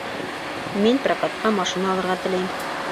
Мин прокатҡа машина алырға теләйем